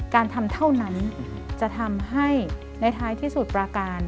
การทำเท่านั้นจะทำให้ในท้ายที่สุดปราการ